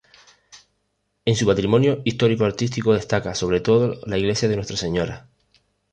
En su patrimonio histórico-artístico destaca sobre todo la iglesia de N.ª Sra.